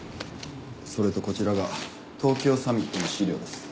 それとこちらが東京サミットの資料です。